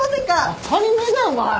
当たり前だよお前！